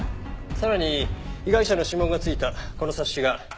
さらに被害者の指紋が付いたこの冊子が。